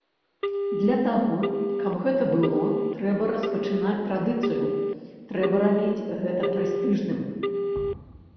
Для таго, каб гэта было, трэба распачынаць традыцыю, трэба рабіць гэта прэстыжным.